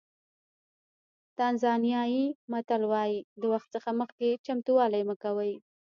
تانزانیایي متل وایي د وخت څخه مخکې چمتووالی مه کوئ.